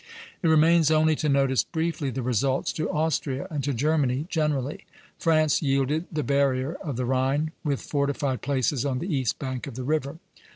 It remains only to notice briefly the results to Austria, and to Germany generally. France yielded the barrier of the Rhine, with fortified places on the east bank of the river.